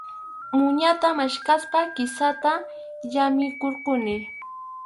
Muñata maskaspa kisata llamiykurquni.